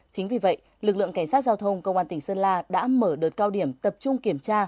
chính vì vậy lực lượng cảnh sát giao thông công an tỉnh sơn la đã mở đợt cao điểm tập trung kiểm tra